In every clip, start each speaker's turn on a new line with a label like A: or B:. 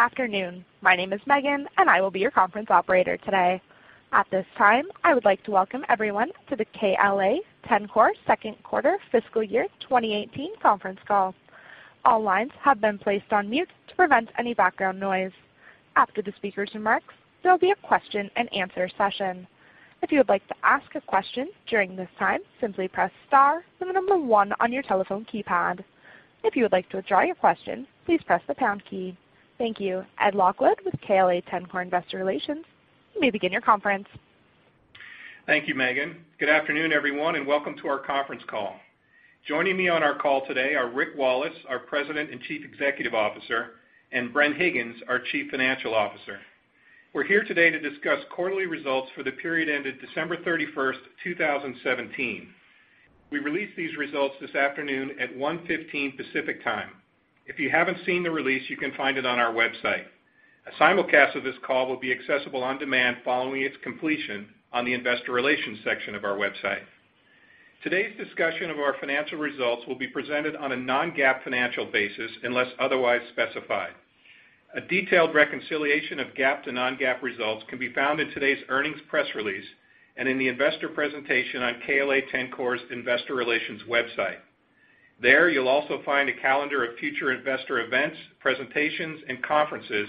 A: Afternoon. My name is Megan. I will be your conference operator today. At this time, I would like to welcome everyone to the KLA-Tencor Second Quarter Fiscal Year 2018 conference call. All lines have been placed on mute to prevent any background noise. After the speaker's remarks, there will be a question and answer session. If you would like to ask a question during this time, simply press star, the number one on your telephone keypad. If you would like to withdraw your question, please press the pound key. Thank you. Ed Lockwood with KLA-Tencor Investor Relations, you may begin your conference.
B: Thank you, Megan. Good afternoon, everyone. Welcome to our conference call. Joining me on our call today are Rick Wallace, our President and Chief Executive Officer, and Bren Higgins, our Chief Financial Officer. We're here today to discuss quarterly results for the period ended December 31st, 2017. We released these results this afternoon at 1:15 P.M. Pacific Time. If you haven't seen the release, you can find it on our website. A simulcast of this call will be accessible on demand following its completion on the investor relations section of our website. Today's discussion of our financial results will be presented on a non-GAAP financial basis unless otherwise specified. A detailed reconciliation of GAAP to non-GAAP results can be found in today's earnings press release and in the investor presentation on KLA-Tencor's investor relations website. There, you'll also find a calendar of future investor events, presentations, and conferences,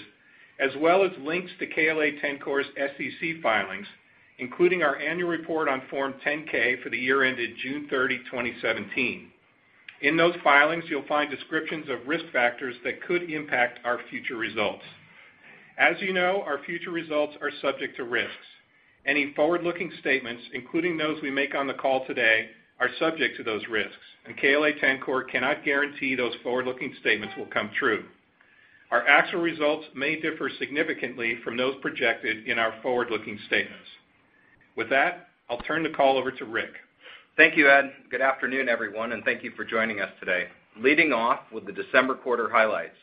B: as well as links to KLA-Tencor's SEC filings, including our annual report on Form 10-K for the year ended June 30, 2017. In those filings, you'll find descriptions of risk factors that could impact our future results. As you know, our future results are subject to risks. Any forward-looking statements, including those we make on the call today, are subject to those risks. KLA-Tencor cannot guarantee those forward-looking statements will come true. Our actual results may differ significantly from those projected in our forward-looking statements. With that, I'll turn the call over to Rick.
C: Thank you, Ed. Good afternoon, everyone. Thank you for joining us today. Leading off with the December quarter highlights.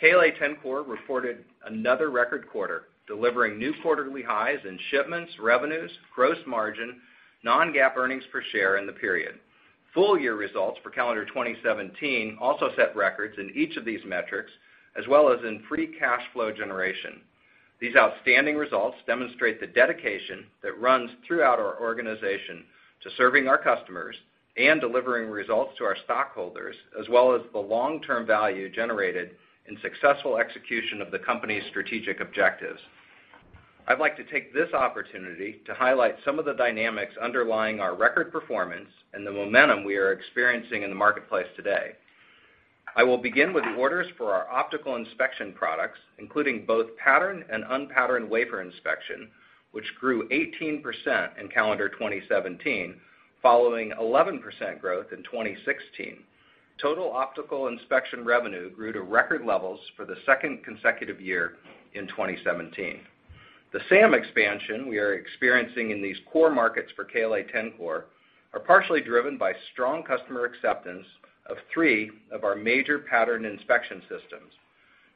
C: KLA-Tencor reported another record quarter, delivering new quarterly highs in shipments, revenues, gross margin, non-GAAP earnings per share in the period. Full year results for calendar 2017 also set records in each of these metrics, as well as in free cash flow generation. These outstanding results demonstrate the dedication that runs throughout our organization to serving our customers and delivering results to our stockholders, as well as the long-term value generated in successful execution of the company's strategic objectives. I'd like to take this opportunity to highlight some of the dynamics underlying our record performance and the momentum we are experiencing in the marketplace today. I will begin with orders for our optical inspection products, including both pattern and unpatterned wafer inspection, which grew 18% in calendar 2017, following 11% growth in 2016. Total optical inspection revenue grew to record levels for the second consecutive year in 2017. The SAM expansion we are experiencing in these core markets for KLA-Tencor are partially driven by strong customer acceptance of three of our major pattern inspection systems.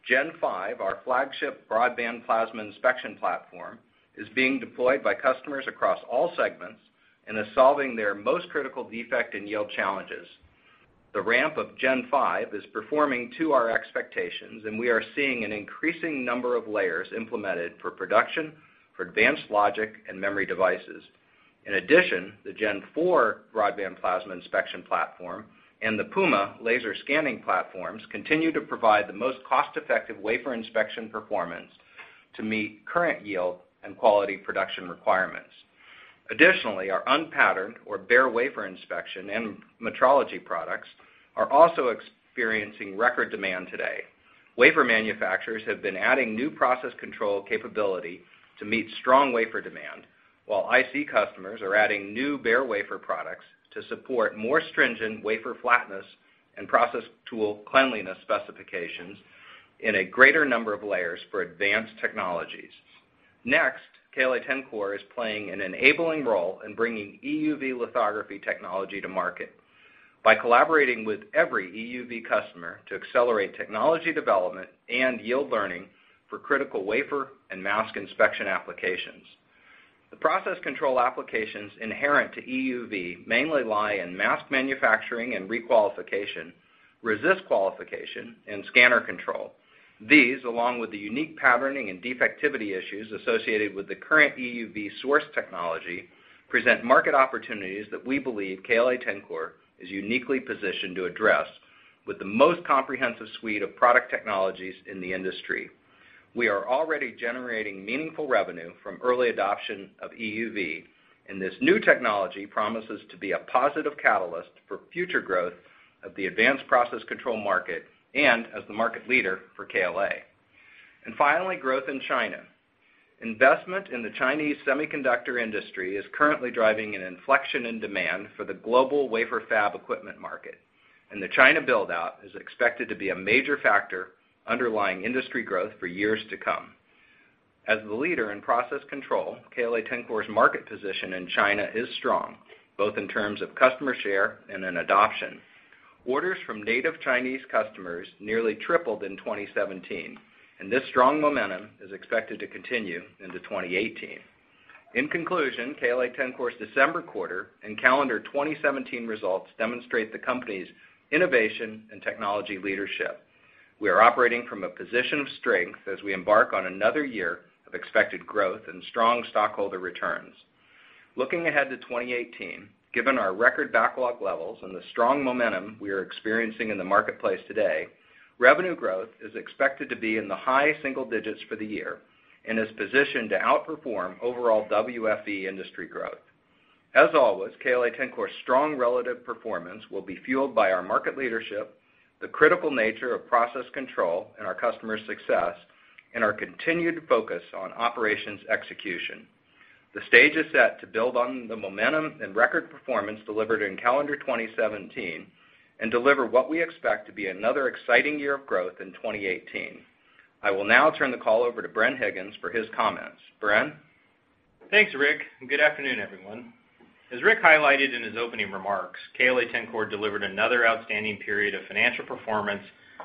C: Gen 5, our flagship broadband plasma inspection platform, is being deployed by customers across all segments and is solving their most critical defect in yield challenges. The ramp of Gen 5 is performing to our expectations, and we are seeing an increasing number of layers implemented for production for advanced logic and memory devices. The Gen 4 broadband plasma inspection platform and the Puma laser scanning platforms continue to provide the most cost-effective wafer inspection performance to meet current yield and quality production requirements. Additionally, our unpatterned or bare wafer inspection and metrology products are also experiencing record demand today. Wafer manufacturers have been adding new process control capability to meet strong wafer demand, while IC customers are adding new bare wafer products to support more stringent wafer flatness and process tool cleanliness specifications in a greater number of layers for advanced technologies. KLA-Tencor is playing an enabling role in bringing EUV lithography technology to market by collaborating with every EUV customer to accelerate technology development and yield learning for critical wafer and mask inspection applications. The process control applications inherent to EUV mainly lie in mask manufacturing and requalification, resist qualification, and scanner control. These, along with the unique patterning and defectivity issues associated with the current EUV source technology, present market opportunities that we believe KLA-Tencor is uniquely positioned to address with the most comprehensive suite of product technologies in the industry. We are already generating meaningful revenue from early adoption of EUV, and this new technology promises to be a positive catalyst for future growth of the advanced process control market and as the market leader for KLA. Finally, growth in China. Investment in the Chinese semiconductor industry is currently driving an inflection in demand for the global wafer fab equipment market, and the China build-out is expected to be a major factor underlying industry growth for years to come. As the leader in process control, KLA-Tencor's market position in China is strong, both in terms of customer share and in adoption. Orders from native Chinese customers nearly tripled in 2017, and this strong momentum is expected to continue into 2018. KLA-Tencor's December quarter and calendar 2017 results demonstrate the company's innovation and technology leadership. We are operating from a position of strength as we embark on another year of expected growth and strong stockholder returns. Looking ahead to 2018, given our record backlog levels and the strong momentum we are experiencing in the marketplace today, revenue growth is expected to be in the high single digits for the year and is positioned to outperform overall WFE industry growth. As always, KLA-Tencor's strong relative performance will be fueled by our market leadership, the critical nature of process control and our customers' success, and our continued focus on operations execution. The stage is set to build on the momentum and record performance delivered in calendar 2017 and deliver what we expect to be another exciting year of growth in 2018. I will now turn the call over to Bren Higgins for his comments. Bren?
D: Thanks, Rick, and good afternoon, everyone. As Rick highlighted in his opening remarks, KLA-Tencor delivered another outstanding period of financial performance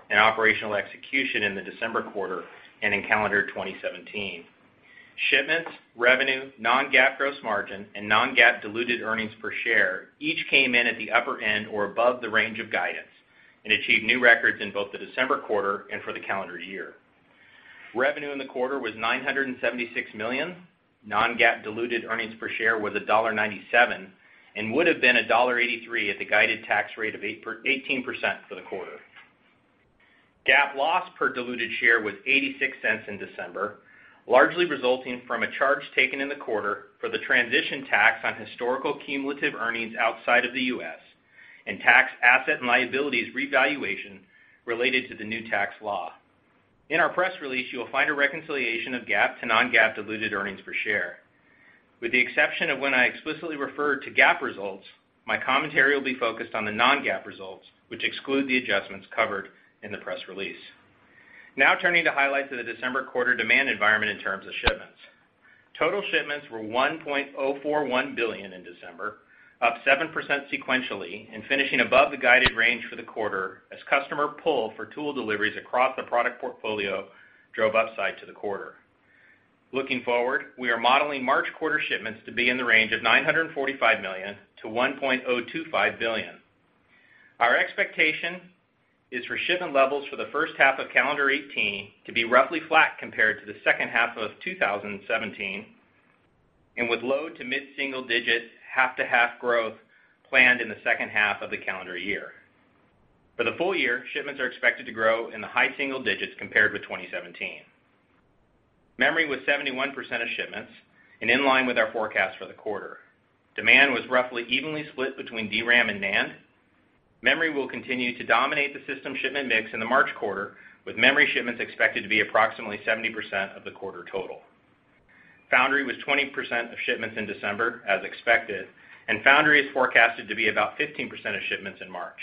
D: and operational execution in the December quarter and in calendar 2017. Shipments, revenue, non-GAAP gross margin, and non-GAAP diluted earnings per share each came in at the upper end or above the range of guidance and achieved new records in both the December quarter and for the calendar year. Revenue in the quarter was $976 million. Non-GAAP diluted earnings per share was $1.97, and would have been $1.83 at the guided tax rate of 18% for the quarter. GAAP loss per diluted share was $0.86 in December, largely resulting from a charge taken in the quarter for the transition tax on historical cumulative earnings outside of the U.S., and tax asset and liabilities revaluation related to the new tax law. In our press release, you will find a reconciliation of GAAP to non-GAAP diluted earnings per share. With the exception of when I explicitly refer to GAAP results, my commentary will be focused on the non-GAAP results, which exclude the adjustments covered in the press release. Now turning to highlights of the December quarter demand environment in terms of shipments. Total shipments were $1.041 billion in December, up 7% sequentially. Finishing above the guided range for the quarter as customer pull for tool deliveries across the product portfolio drove upside to the quarter. Looking forward, we are modeling March quarter shipments to be in the range of $945 million-$1.025 billion. Our expectation is for shipment levels for the first half of calendar 2018 to be roughly flat compared to the second half of 2017. With low to mid-single digits half to half growth planned in the second half of the calendar year. For the full year, shipments are expected to grow in the high single digits compared with 2017. Memory was 71% of shipments and in line with our forecast for the quarter. Demand was roughly evenly split between DRAM and NAND. Memory will continue to dominate the system shipment mix in the March quarter, with memory shipments expected to be approximately 70% of the quarter total. Foundry was 20% of shipments in December, as expected. Foundry is forecasted to be about 15% of shipments in March.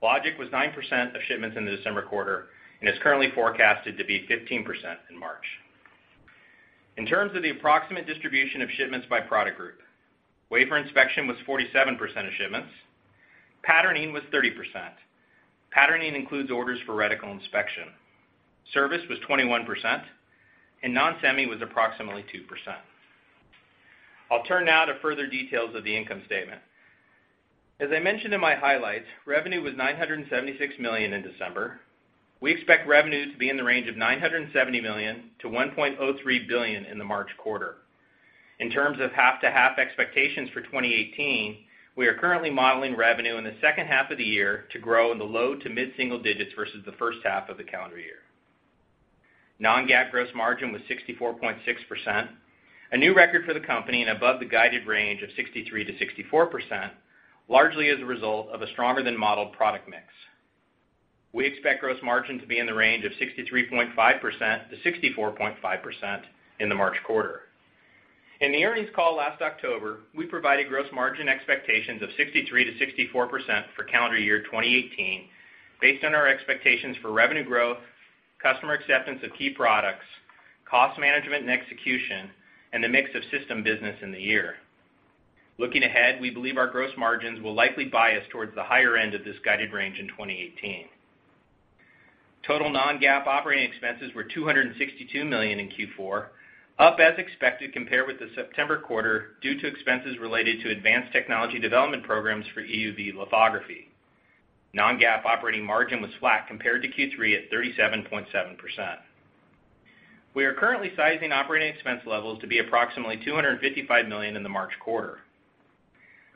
D: Logic was 9% of shipments in the December quarter and is currently forecasted to be 15% in March. In terms of the approximate distribution of shipments by product group, wafer inspection was 47% of shipments. Patterning was 30%. Patterning includes orders for reticle inspection. Service was 21%, and non-semi was approximately 2%. I'll turn now to further details of the income statement. As I mentioned in my highlights, revenue was $976 million in December. We expect revenue to be in the range of $970 million-$1.03 billion in the March quarter. In terms of half to half expectations for 2018, we are currently modeling revenue in the second half of the year to grow in the low to mid-single digits versus the first half of the calendar year. Non-GAAP gross margin was 64.6%, a new record for the company and above the guided range of 63%-64%, largely as a result of a stronger than modeled product mix. We expect gross margin to be in the range of 63.5%-64.5% in the March quarter. In the earnings call last October, we provided gross margin expectations of 63%-64% for calendar year 2018 based on our expectations for revenue growth, customer acceptance of key products, cost management and execution, and the mix of system business in the year. Looking ahead, we believe our gross margins will likely bias towards the higher end of this guided range in 2018. Total non-GAAP operating expenses were $262 million in Q4, up as expected compared with the September quarter due to expenses related to advanced technology development programs for EUV lithography. Non-GAAP operating margin was flat compared to Q3 at 37.7%. We are currently sizing operating expense levels to be approximately $255 million in the March quarter.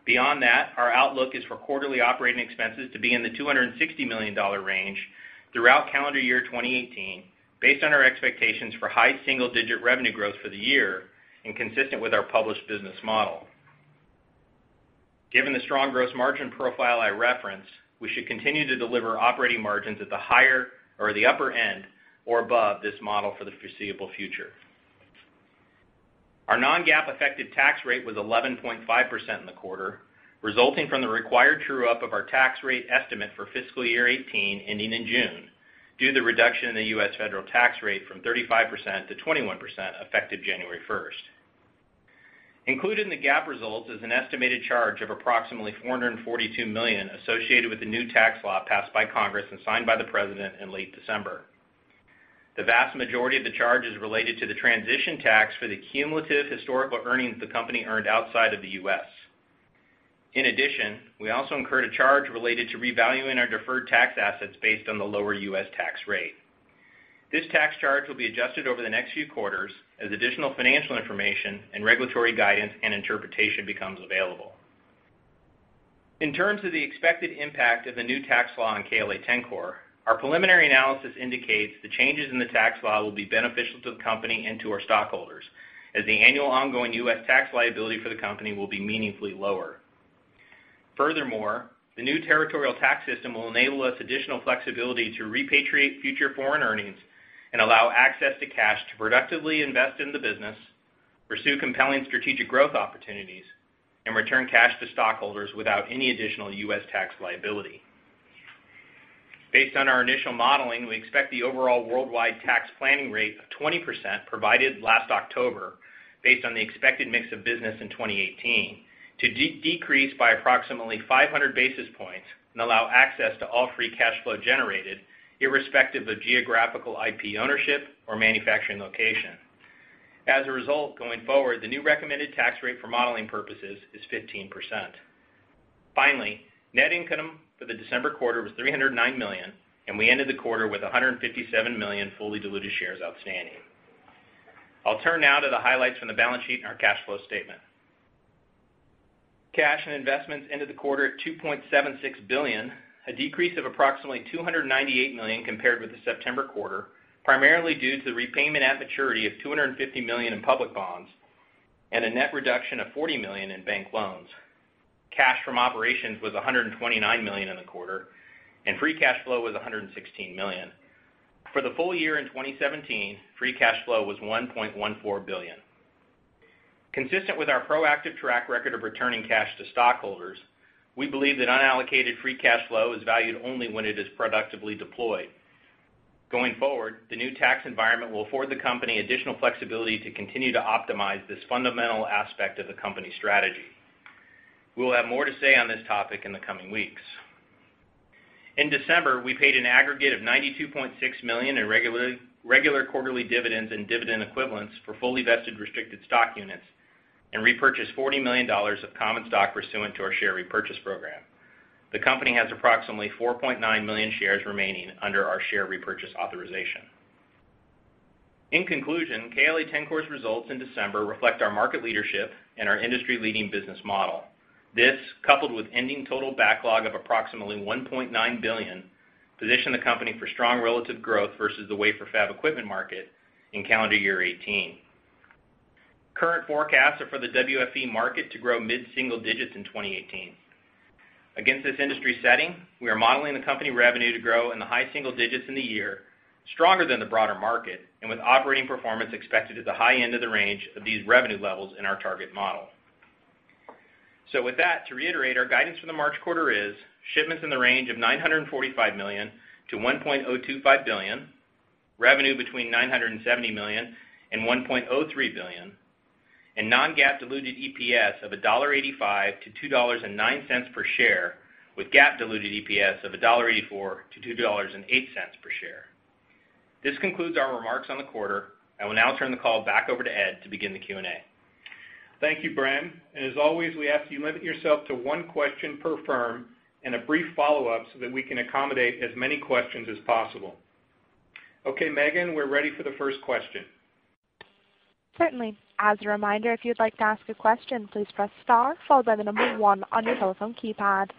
D: Beyond that, our outlook is for quarterly operating expenses to be in the $260 million range throughout calendar year 2018, based on our expectations for high single-digit revenue growth for the year and consistent with our published business model. Given the strong gross margin profile I referenced, we should continue to deliver operating margins at the upper end or above this model for the foreseeable future. Our non-GAAP effective tax rate was 11.5% in the quarter, resulting from the required true-up of our tax rate estimate for fiscal year 2018 ending in June, due to the reduction in the U.S. federal tax rate from 35%-21% effective January 1st. Included in the GAAP results is an estimated charge of approximately $442 million associated with the new tax law passed by Congress and signed by the president in late December. The vast majority of the charge is related to the transition tax for the cumulative historical earnings the company earned outside of the U.S. In addition, we also incurred a charge related to revaluing our deferred tax assets based on the lower U.S. tax rate. This tax charge will be adjusted over the next few quarters as additional financial information and regulatory guidance and interpretation becomes available. In terms of the expected impact of the new tax law on KLA-Tencor, our preliminary analysis indicates the changes in the tax law will be beneficial to the company and to our stockholders, as the annual ongoing U.S. tax liability for the company will be meaningfully lower. The new territorial tax system will enable us additional flexibility to repatriate future foreign earnings and allow access to cash to productively invest in the business, pursue compelling strategic growth opportunities, and return cash to stockholders without any additional U.S. tax liability. Based on our initial modeling, we expect the overall worldwide tax planning rate of 20% provided last October, based on the expected mix of business in 2018, to decrease by approximately 500 basis points and allow access to all free cash flow generated, irrespective of geographical IP ownership or manufacturing location. Going forward, the new recommended tax rate for modeling purposes is 15%. Net income for the December quarter was $309 million, and we ended the quarter with 157 million fully diluted shares outstanding. I'll turn now to the highlights from the balance sheet and our cash flow statement. Cash and investments ended the quarter at $2.76 billion, a decrease of approximately $298 million compared with the September quarter, primarily due to the repayment at maturity of $250 million in public bonds and a net reduction of $40 million in bank loans. Cash from operations was $129 million in the quarter, and free cash flow was $116 million. For the full year in 2017, free cash flow was $1.14 billion. Consistent with our proactive track record of returning cash to stockholders, we believe that unallocated free cash flow is valued only when it is productively deployed. Going forward, the new tax environment will afford the company additional flexibility to continue to optimize this fundamental aspect of the company strategy. We will have more to say on this topic in the coming weeks. In December, we paid an aggregate of $92.6 million in regular quarterly dividends and dividend equivalents for fully vested restricted stock units and repurchased $40 million of common stock pursuant to our share repurchase program. The company has approximately 4.9 million shares remaining under our share repurchase authorization. KLA-Tencor's results in December reflect our market leadership and our industry-leading business model. This, coupled with ending total backlog of approximately $1.9 billion, position the company for strong relative growth versus the wafer fab equipment market in calendar year 2018. Current forecasts are for the WFE market to grow mid-single digits in 2018. Against this industry setting, we are modeling the company revenue to grow in the high single digits in the year, stronger than the broader market, and with operating performance expected at the high end of the range of these revenue levels in our target model. With that, to reiterate, our guidance for the March quarter is shipments in the range of $945 million-$1.025 billion, revenue between $970 million and $1.03 billion, and non-GAAP diluted EPS of $1.85-$2.09 per share with GAAP diluted EPS of $1.84-$2.08 per share. This concludes our remarks on the quarter. I will now turn the call back over to Ed to begin the Q&A.
B: Thank you, Bren. As always, we ask you limit yourself to one question per firm and a brief follow-up so that we can accommodate as many questions as possible. Megan, we're ready for the first question.
A: Certainly. As a reminder, if you'd like to ask a question, please press star followed by the number one on your telephone keypad.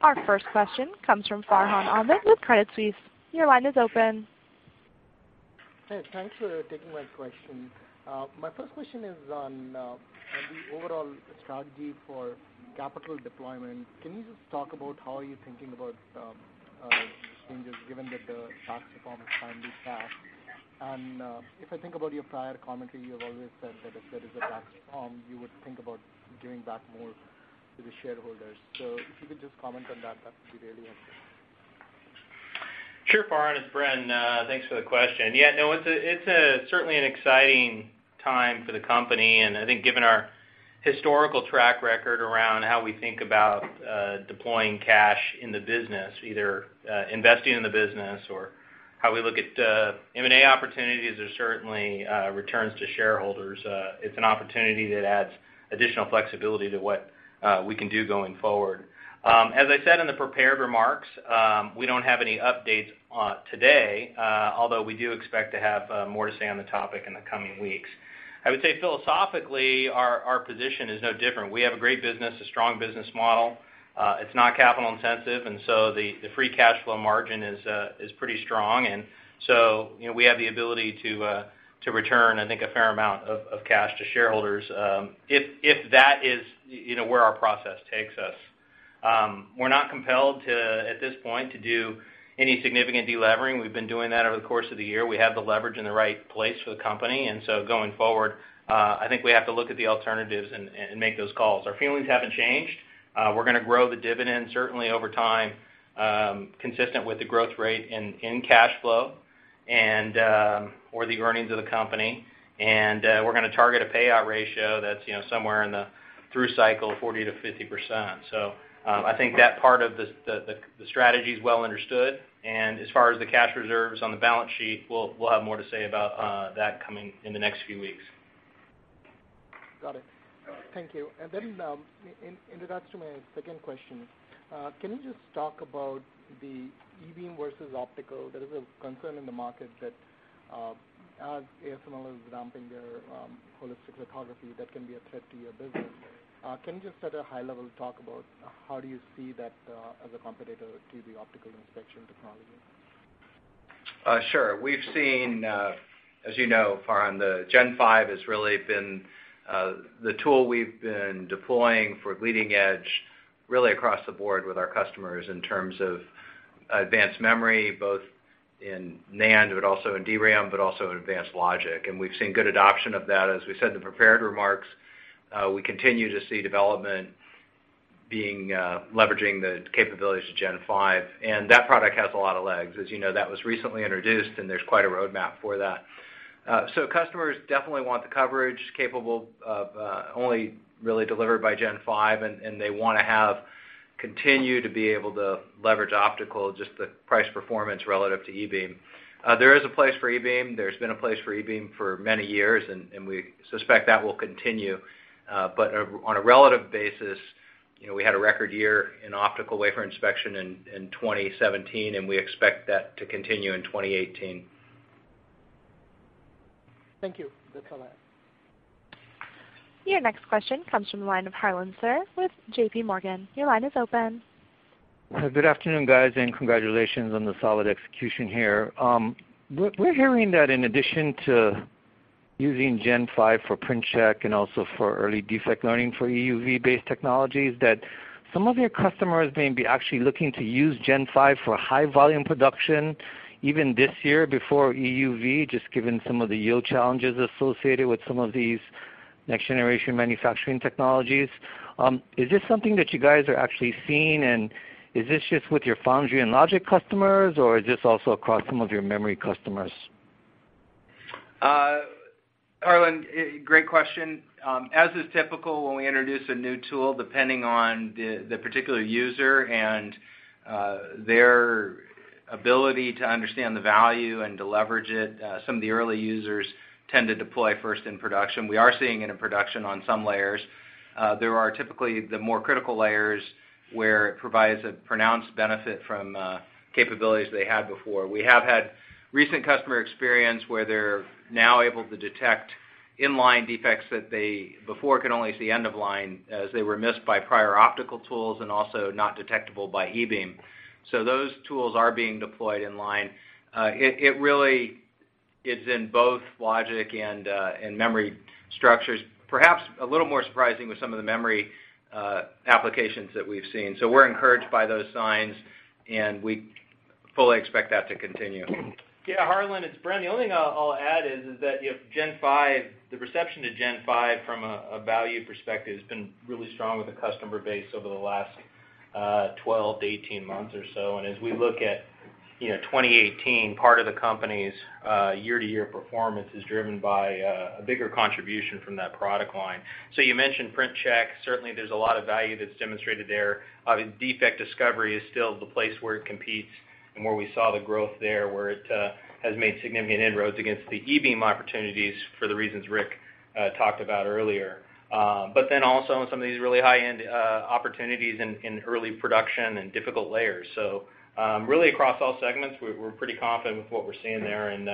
A: Our first question comes from Farhan Ahmad with Credit Suisse. Your line is open.
E: Hey, thanks for taking my question. My first question is on the overall strategy for capital deployment. Can you just talk about how you're thinking about changes given that the tax reform is finally passed? If I think about your prior commentary, you have always said that if there is a tax reform, you would think about giving back more to the shareholders. If you could just comment on that would be really helpful.
D: Sure, Farhan, it's Bren. Thanks for the question. No, it's certainly an exciting time for the company, I think given our historical track record around how we think about deploying cash in the business, either investing in the business or how we look at M&A opportunities or certainly returns to shareholders, it's an opportunity that adds additional flexibility to what we can do going forward. As I said in the prepared remarks, we don't have any updates today, although we do expect to have more to say on the topic in the coming weeks. I would say philosophically, our position is no different. We have a great business, a strong business model. It's not capital intensive, the free cash flow margin is pretty strong. We have the ability to return, I think, a fair amount of cash to shareholders, if that is where our process takes us. We're not compelled, at this point, to do any significant delevering. We've been doing that over the course of the year. We have the leverage in the right place for the company, and so going forward, I think we have to look at the alternatives and make those calls. Our feelings haven't changed. We're gonna grow the dividend certainly over time, consistent with the growth rate in cash flow.
C: Or the earnings of the company. We're going to target a payout ratio that's somewhere in the through cycle of 40%-50%. I think that part of the strategy is well understood. As far as the cash reserves on the balance sheet, we'll have more to say about that coming in the next few weeks.
E: Got it. Thank you. It adds to my second question, can you just talk about the e-beam versus optical? There is a concern in the market that as ASML is ramping their Holistic Lithography, that can be a threat to your business. Can you just at a high level talk about how do you see that as a competitor to the optical inspection technology?
C: Sure. We've seen, as you know, Farhan, the Gen 5 has really been the tool we've been deploying for leading edge, really across the board with our customers in terms of advanced memory, both in NAND, but also in DRAM, but also in advanced logic. We've seen good adoption of that. As we said in the prepared remarks, we continue to see development leveraging the capabilities of Gen 5. That product has a lot of legs. As you know, that was recently introduced, and there's quite a roadmap for that. So customers definitely want the coverage capable of only really delivered by Gen 5, and they want to have continued to be able to leverage optical, just the price performance relative to e-beam. There is a place for e-beam. There's been a place for e-beam for many years, and we suspect that will continue. On a relative basis, we had a record year in optical wafer inspection in 2017, and we expect that to continue in 2018.
E: Thank you. That's all I have.
A: Your next question comes from the line of Harlan Sur with J.P. Morgan. Your line is open.
F: Good afternoon, guys, and congratulations on the solid execution here. We're hearing that in addition to using Gen 5 for print check and also for early defect learning for EUV-based technologies, that some of your customers may be actually looking to use Gen 5 for high volume production even this year before EUV, just given some of the yield challenges associated with some of these next generation manufacturing technologies. Is this something that you guys are actually seeing, and is this just with your foundry and logic customers, or is this also across some of your memory customers?
C: Harlan, great question. As is typical, when we introduce a new tool, depending on the particular user and their ability to understand the value and to leverage it, some of the early users tend to deploy first in production. We are seeing it in production on some layers. There are typically the more critical layers where it provides a pronounced benefit from capabilities they had before. We have had recent customer experience where they're now able to detect in-line defects that they before could only at the end of line as they were missed by prior optical tools and also not detectable by e-beam. Those tools are being deployed in line. It really is in both logic and memory structures. Perhaps a little more surprising with some of the memory applications that we've seen. We're encouraged by those signs, and we fully expect that to continue.
D: Yeah, Harlan, it's Bren. The only thing I'll add is that the reception to Gen 5 from a value perspective has been really strong with the customer base over the last 12 to 18 months or so. As we look at 2018, part of the company's year-to-year performance is driven by a bigger contribution from that product line. You mentioned print check. Certainly, there's a lot of value that's demonstrated there. Defect discovery is still the place where it competes and where we saw the growth there, where it has made significant inroads against the e-beam opportunities for the reasons Rick talked about earlier. Also in some of these really high-end opportunities in early production and difficult layers. Really across all segments, we're pretty confident with what we're seeing there and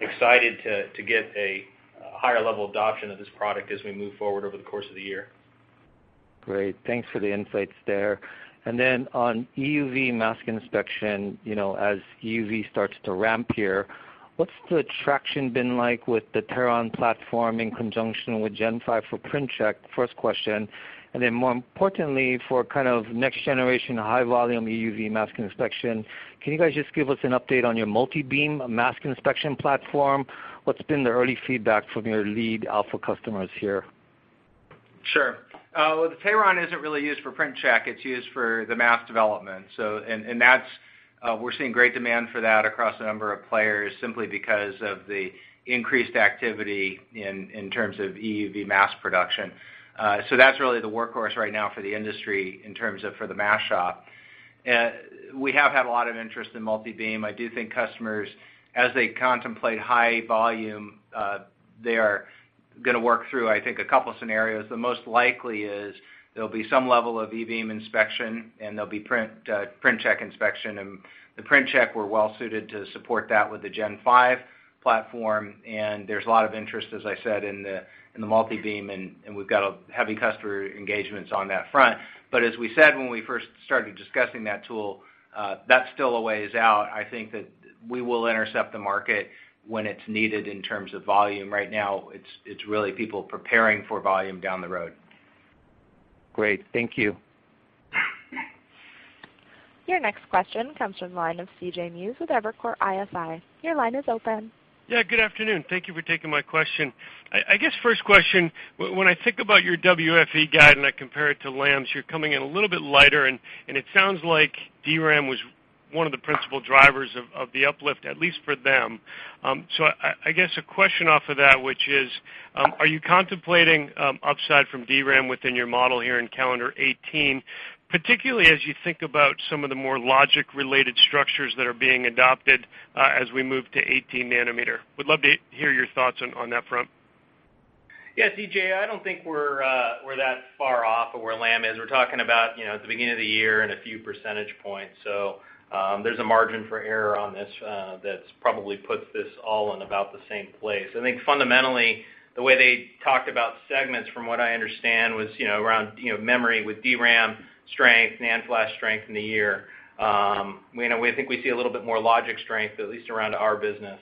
D: excited to get a higher level adoption of this product as we move forward over the course of the year.
F: Great. Thanks for the insights there. On EUV mask inspection, as EUV starts to ramp here, what's the traction been like with the Teron platform in conjunction with Gen 5 for print check? First question. More importantly, for kind of next generation high volume EUV mask inspection, can you guys just give us an update on your multi-beam mask inspection platform? What's been the early feedback from your lead alpha customers here?
C: Sure. The Teron isn't really used for print check, it's used for the mask development. We're seeing great demand for that across a number of players simply because of the increased activity in terms of EUV mask production. That's really the workhorse right now for the industry in terms of for the mask shop. We have had a lot of interest in multi-beam. I do think customers, as they contemplate high volume, they are going to work through, I think, a couple scenarios. The most likely is there'll be some level of e-beam inspection, and there'll be print check inspection. The print check, we're well suited to support that with the Gen 5 platform, and there's a lot of interest, as I said, in the multi-beam, and we've got heavy customer engagements on that front. As we said when we first started discussing that tool, that's still a ways out. I think that we will intercept the market when it's needed in terms of volume. Right now, it's really people preparing for volume down the road.
F: Great. Thank you.
A: Your next question comes from the line of C.J. Muse with Evercore ISI. Your line is open.
G: Yeah, good afternoon. Thank you for taking my question. I guess first question, when I think about your WFE guide and I compare it to Lam's, you're coming in a little bit lighter, and it sounds like DRAM was one of the principal drivers of the uplift, at least for them. I guess a question off of that, which is, are you contemplating upside from DRAM within your model here in calendar 2018, particularly as you think about some of the more logic-related structures that are being adopted as we move to 18 nanometer? Would love to hear your thoughts on that front.
D: Yeah, CJ, I don't think we're that far off of where Lam is. We're talking about the beginning of the year and a few percentage points. There's a margin for error on this that probably puts this all in about the same place. I think fundamentally, the way they talked about segments from what I understand was, around memory with DRAM strength, NAND flash strength in the year. We think we see a little bit more logic strength, at least around our business.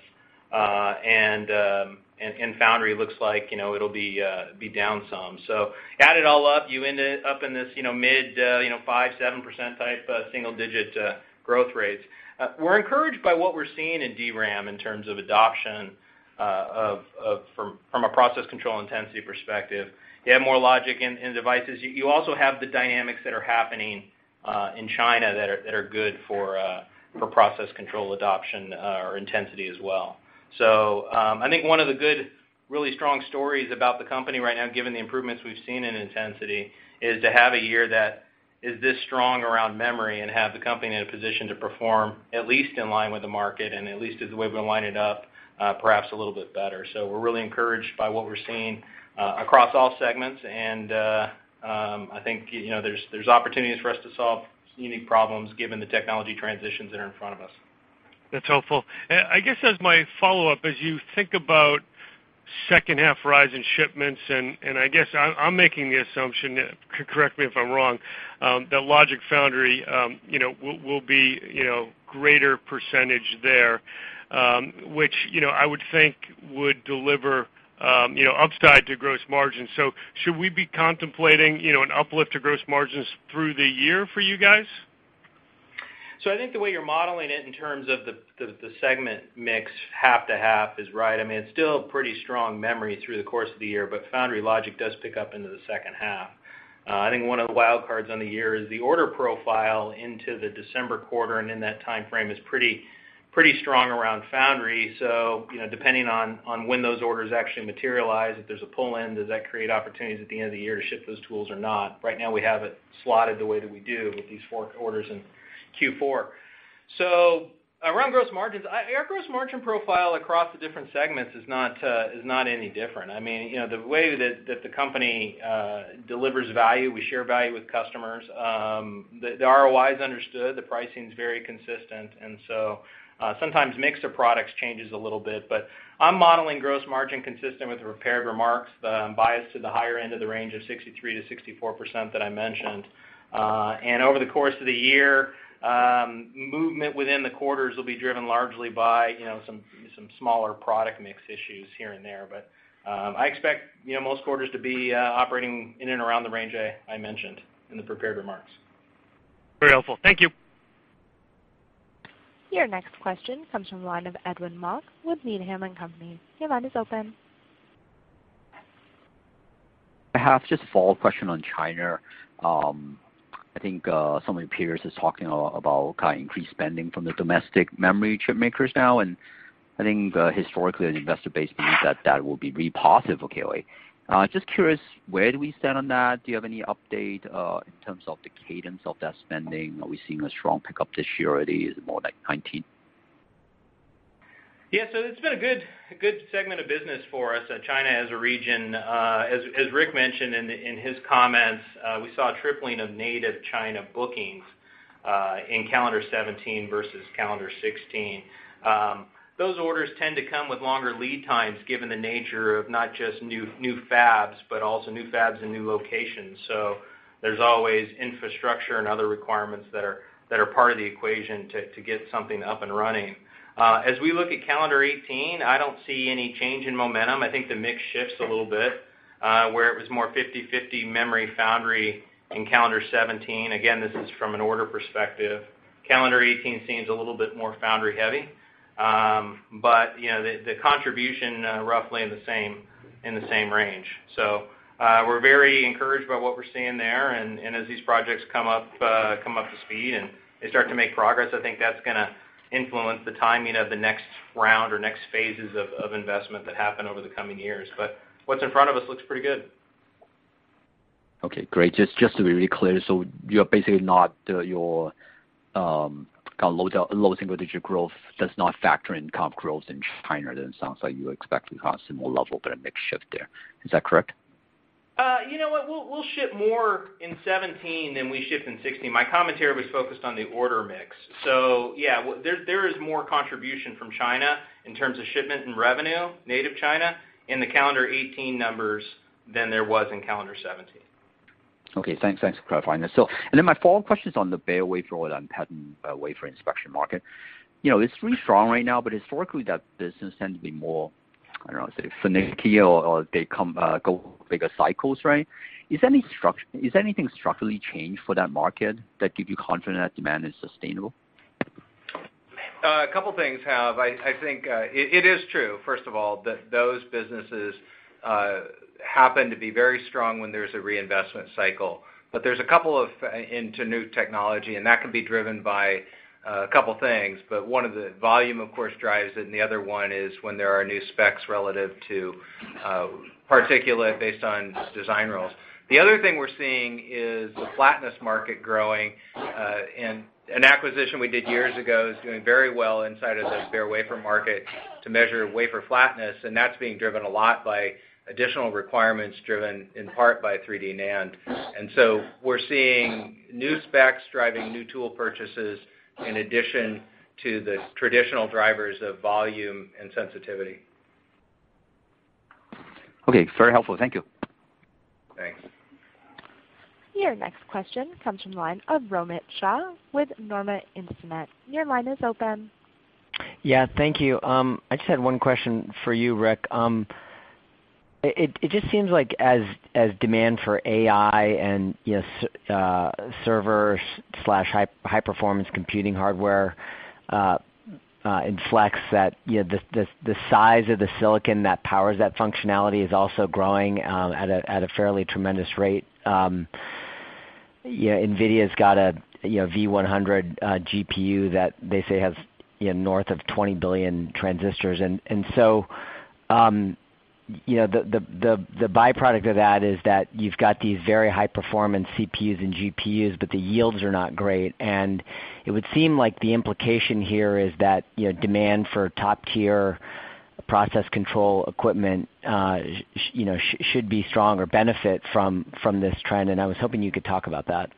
D: Foundry looks like it'll be down some. Add it all up, you end it up in this mid 5%-7%-type single-digit growth rates. We're encouraged by what we're seeing in DRAM in terms of adoption from a process control intensity perspective. You have more logic in devices. You also have the dynamics that are happening in China that are good for process control adoption or intensity as well. I think one of the good, really strong stories about the company right now, given the improvements we've seen in intensity, is to have a year that is this strong around memory and have the company in a position to perform at least in line with the market and at least as the way we line it up, perhaps a little bit better. We're really encouraged by what we're seeing across all segments, and I think there's opportunities for us to solve unique problems given the technology transitions that are in front of us.
G: That's helpful. I guess as my follow-up, as you think about second half rise in shipments, I guess I'm making the assumption, correct me if I'm wrong, that logic foundry will be greater percentage there, which I would think would deliver upside to gross margin. Should we be contemplating an uplift to gross margins through the year for you guys?
D: I think the way you're modeling it in terms of the segment mix half to half is right. It's still pretty strong memory through the course of the year, but foundry logic does pick up into the second half. I think one of the wild cards on the year is the order profile into the December quarter, and in that time frame is pretty strong around foundry. Depending on when those orders actually materialize, if there's a pull-in, does that create opportunities at the end of the year to ship those tools or not? Right now, we have it slotted the way that we do with these four quarters in Q4. Around gross margins, our gross margin profile across the different segments is not any different. The way that the company delivers value, we share value with customers. The ROI is understood. The pricing's very consistent, sometimes mix of products changes a little bit, but I'm modeling gross margin consistent with the prepared remarks, biased to the higher end of the range of 63%-64% that I mentioned. Over the course of the year, movement within the quarters will be driven largely by some smaller product mix issues here and there. I expect most quarters to be operating in and around the range I mentioned in the prepared remarks.
G: Very helpful. Thank you.
A: Your next question comes from the line of Edwin Mok with Needham & Company. Your line is open.
H: I have just a follow-up question on China. I think some of your peers is talking about increased spending from the domestic memory chip makers now, and I think historically, the investor base believes that that will be really positive, KLA. Just curious, where do we stand on that? Do you have any update in terms of the cadence of that spending? Are we seeing a strong pickup this year already? Is it more like 2019?
D: Yeah. It's been a good segment of business for us, China as a region. As Rick mentioned in his comments, we saw a tripling of native China bookings in calendar 2017 versus calendar 2016. Those orders tend to come with longer lead times, given the nature of not just new fabs, but also new fabs and new locations. There's always infrastructure and other requirements that are part of the equation to get something up and running. As we look at calendar 2018, I don't see any change in momentum. I think the mix shifts a little bit, where it was more 50/50 memory foundry in calendar 2017. Again, this is from an order perspective. Calendar 2018 seems a little bit more foundry heavy. The contribution roughly in the same range. We're very encouraged by what we're seeing there, and as these projects come up to speed and they start to make progress, I think that's going to influence the timing of the next round or next phases of investment that happen over the coming years. What's in front of us looks pretty good.
H: Okay, great. Just to be really clear, you're basically not your kind of low single-digit growth does not factor in comp growth in China, it sounds like you expect constant more level, but a mix shift there. Is that correct?
D: We'll ship more in 2017 than we shipped in 2016. My commentary was focused on the order mix. Yeah, there is more contribution from China in terms of shipment and revenue, native China, in the calendar 2018 numbers than there was in calendar 2017.
H: Okay, thanks for clarifying this. My follow-up question is on the bare wafer and pattern wafer inspection market. It's really strong right now, but historically, that business tends to be more, I don't know, finicky, or they go bigger cycles, right? Has anything structurally changed for that market that gives you confidence that demand is sustainable?
C: A couple of things have. I think it is true, first of all, that those businesses happen to be very strong when there's a reinvestment cycle into new technology, and that can be driven by a couple of things. One of the volume, of course, drives it, and the other one is when there are new specs relative to particulate based on design rules. The other thing we're seeing is the flatness market growing, and an acquisition we did years ago is doing very well inside of the bare wafer market to measure wafer flatness, and that's being driven a lot by additional requirements driven in part by 3D NAND. We're seeing new specs driving new tool purchases in addition to the traditional drivers of volume and sensitivity.
H: Okay. Very helpful. Thank you.
C: Thanks.
A: Your next question comes from the line of Romit Shah with Nomura Instinet. Your line is open.
I: Yeah. Thank you. I just had one question for you, Rick. It just seems like as demand for AI and server/high-performance computing hardware inflects, that the size of the silicon that powers that functionality is also growing at a fairly tremendous rate. NVIDIA's got a V100 GPU that they say has north of 20 billion transistors. The byproduct of that is that you've got these very high-performance CPUs and GPUs, but the yields are not great. It would seem like the implication here is that demand for top-tier process control equipment should be strong or benefit from this trend, and I was hoping you could talk about that.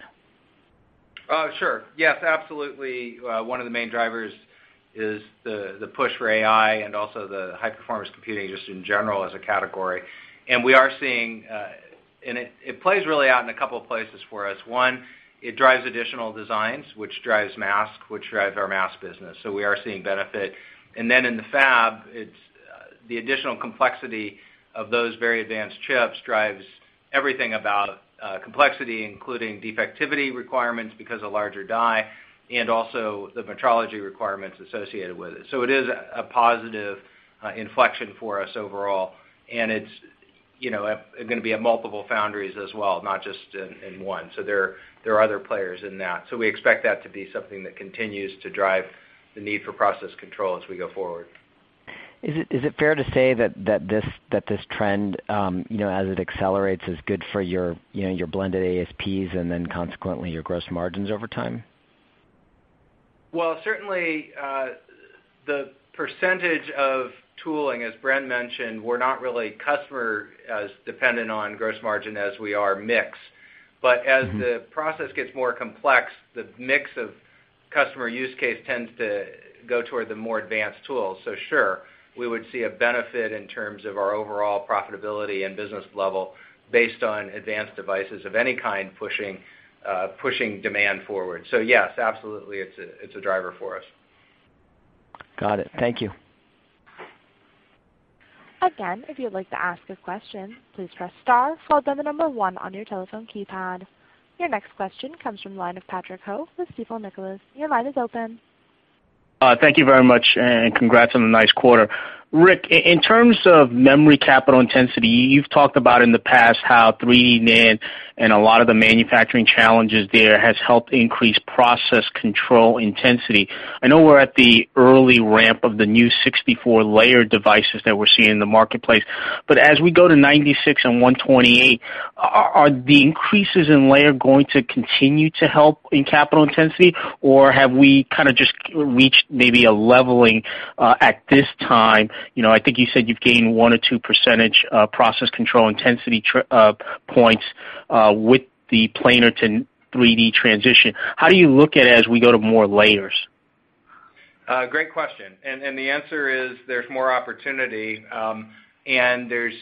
C: Sure. Yes, absolutely. One of the main drivers is the push for AI and also the high-performance computing, just in general as a category. It plays really out in a couple of places for us. One, it drives additional designs, which drives mask, which drives our mask business. We are seeing benefit. Then in the fab, the additional complexity of those very advanced chips drives everything about complexity, including defectivity requirements because of larger die, and also the metrology requirements associated with it. It is a positive inflection for us overall, and it's going to be at multiple foundries as well, not just in one. There are other players in that. We expect that to be something that continues to drive the need for process control as we go forward.
I: Is it fair to say that this trend, as it accelerates, is good for your blended ASPs and then consequently your gross margins over time?
C: Certainly, the percentage of tooling, as Bren mentioned, we're not really customer as dependent on gross margin as we are mix. As the process gets more complex, the mix of customer use case tends to go toward the more advanced tools. Sure, we would see a benefit in terms of our overall profitability and business level based on advanced devices of any kind pushing demand forward. Yes, absolutely, it's a driver for us.
I: Got it. Thank you.
A: If you'd like to ask a question, please press star followed by the number 1 on your telephone keypad. Your next question comes from the line of Patrick Ho with Stifel Nicolaus. Your line is open.
J: Thank you very much, congrats on a nice quarter. Rick, in terms of memory capital intensity, you've talked about in the past how 3D NAND and a lot of the manufacturing challenges there has helped increase process control intensity. I know we're at the early ramp of the new 64-layer devices that we're seeing in the marketplace, as we go to 96 and 128, are the increases in layer going to continue to help in capital intensity, or have we kind of just reached maybe a leveling at this time? I think you said you've gained one or two % process control intensity points with the planar to 3D transition. How do you look at it as we go to more layers?
C: Great question. The answer is there's more opportunity, there's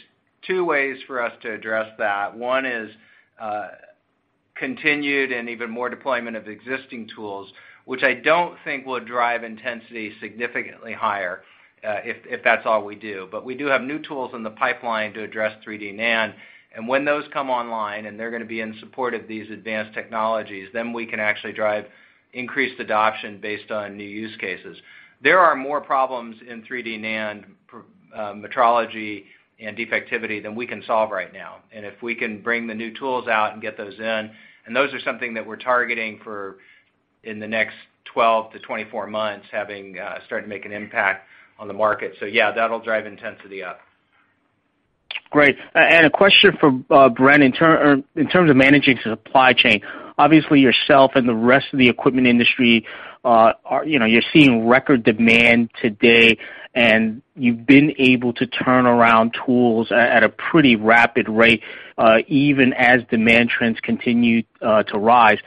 C: two ways for us to address that. One is continued and even more deployment of existing tools, which I don't think will drive intensity significantly higher, if that's all we do. We do have new tools in the pipeline to address 3D NAND, when those come online, they're going to be in support of these advanced technologies, we can actually drive increased adoption based on new use cases. There are more problems in 3D NAND metrology and defectivity than we can solve right now, if we can bring the new tools out and get those in, those are something that we're targeting for in the next 12-24 months, having started to make an impact on the market. Yeah, that'll drive intensity up.
J: Great. A question for Bren. In terms of managing supply chain, obviously yourself and the rest of the equipment industry, you're seeing record demand today, you've been able to turn around tools at a pretty rapid rate, even as demand trends continue to rise.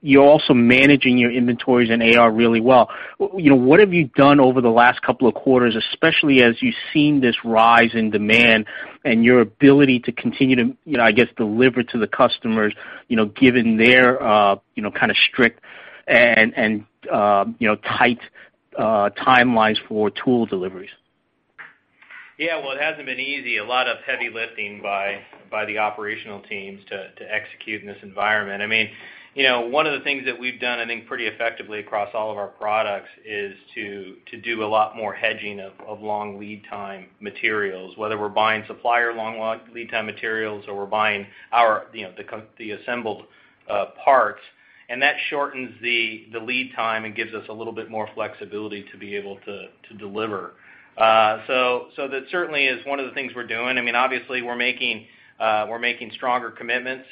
J: You're also managing your inventories and AR really well. What have you done over the last couple of quarters, especially as you've seen this rise in demand and your ability to continue to, I guess, deliver to the customers, given their kind of strict and tight timelines for tool deliveries?
C: Yeah. Well, it hasn't been easy. A lot of heavy lifting by the operational teams to execute in this environment. One of the things that we've done, I think, pretty effectively across all of our products is to do a lot more hedging of long lead time materials, whether we're buying supplier long lead time materials or we're buying the assembled parts. That shortens the lead time and gives us a little bit more flexibility to be able to deliver. That certainly is one of the things we're doing. Obviously, we're making stronger commitments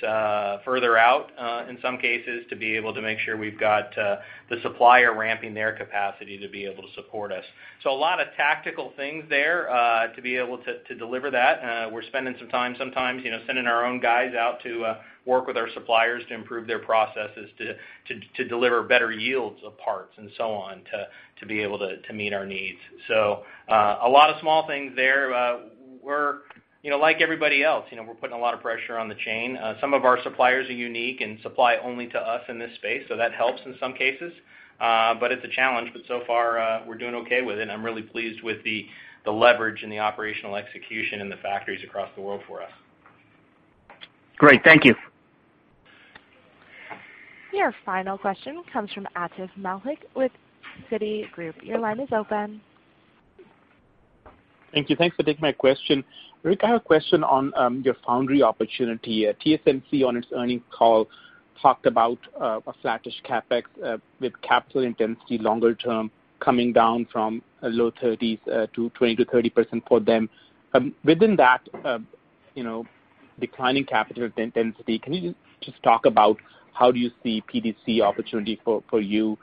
C: further out, in some cases, to be able to make sure we've got the supplier ramping their capacity to be able to support us. A lot of tactical things there, to be able to deliver that. We're spending some time sometimes sending our own guys out to work with our suppliers to improve their processes, to deliver better yields of parts and so on, to be able to meet our needs. A lot of small things there. We're like everybody else. We're putting a lot of pressure on the chain. Some of our suppliers are unique and supply only to us in this space, that helps in some cases. It's a challenge, but so far, we're doing okay with it, I'm really pleased with the leverage and the operational execution in the factories across the world for us.
J: Great. Thank you.
A: Your final question comes from Atif Malik with Citigroup. Your line is open.
K: Thank you. Thanks for taking my question. Rick, I have a question on your foundry opportunity. TSMC, on its earnings call, talked about a flattish CapEx with capital intensity longer term coming down from low 30s to 20%-30% for them. Within that declining capital intensity, can you just talk about how do you see PDC opportunity for you?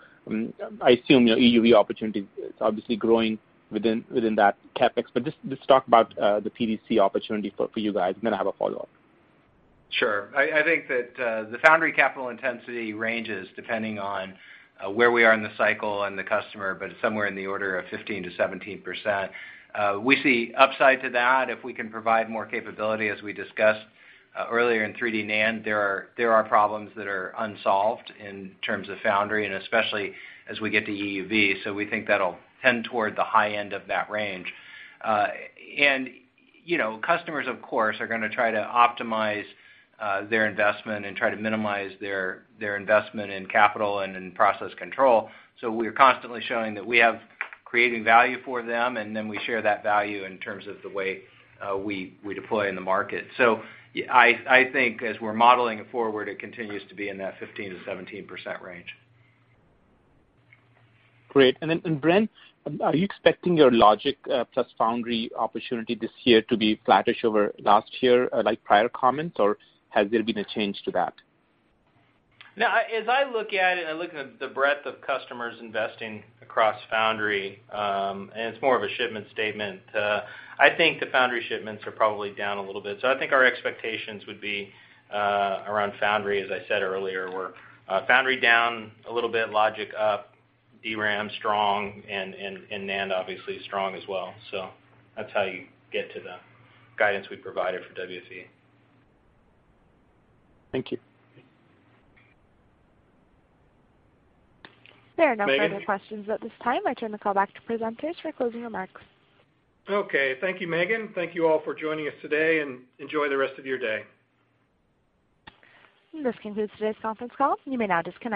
K: I assume your EUV opportunity is obviously growing within that CapEx, but just talk about the PDC opportunity for you guys, and then I have a follow-up.
C: Sure. I think that the foundry capital intensity ranges depending on where we are in the cycle and the customer, but it's somewhere in the order of 15%-17%. We see upside to that if we can provide more capability, as we discussed earlier, in 3D NAND. There are problems that are unsolved in terms of foundry, especially as we get to EUV. We think that'll tend toward the high end of that range. Customers, of course, are going to try to optimize their investment and try to minimize their investment in capital and in process control. We are constantly showing that we have creating value for them, and then we share that value in terms of the way we deploy in the market. I think as we're modeling it forward, it continues to be in that 15%-17% range.
K: Great. Bren, are you expecting your logic plus foundry opportunity this year to be flattish over last year, like prior comments, or has there been a change to that?
D: No. As I look at it, I look at the breadth of customers investing across foundry, it's more of a shipment statement. I think the foundry shipments are probably down a little bit. I think our expectations would be around foundry, as I said earlier, where foundry down a little bit, logic up, DRAM strong, NAND obviously is strong as well. That's how you get to the guidance we provided for WFE.
K: Thank you.
A: There are no further questions at this time. I turn the call back to presenters for closing remarks.
C: Okay. Thank you, Megan. Thank you all for joining us today, and enjoy the rest of your day.
A: This concludes today's conference call. You may now disconnect.